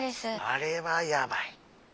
あれはやばい！